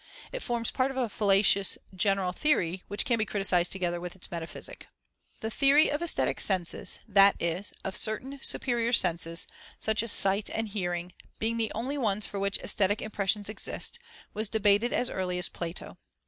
It forms part of a fallacious general theory, which can be criticized together with its metaphysic. The theory of aesthetic senses, that is, of certain superior senses, such as sight and hearing, being the only ones for which aesthetic impressions exist, was debated as early as Plato.